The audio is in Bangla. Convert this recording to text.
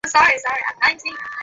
আমি সেখানে যাচ্ছি।